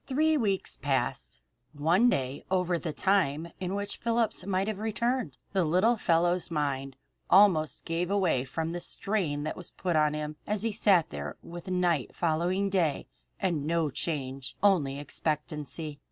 Three weeks passed one day over the time in which Phillips might have returned. The little fellow's mind almost gave way from the strain that was put on him as he sat there with night following day, and no change only expectancy.